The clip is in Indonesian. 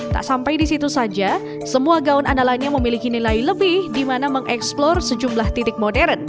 tak sampai di situ saja semua gaun andalanya memiliki nilai lebih di mana mengeksplor sejumlah titik modern